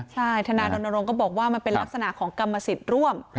ใช่ธนารณรงค์ก็บอกว่ามันเป็นลักษณะของกรรมสิทธิ์ร่วม